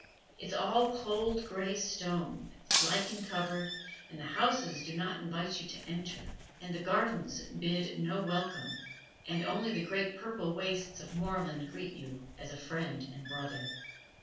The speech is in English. It is all cold gray stone, lichen covered, and the houses do not invite you to enter, and the gardens bid no welcome, and only the great purple wastes of moorland greet you as a friend and brother.